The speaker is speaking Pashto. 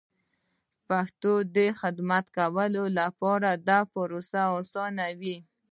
پښتو ته د خدمت کولو لپاره دا پروسه اسانېږي.